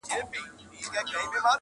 • د اسمان په خوښه دلته اوسېده دي -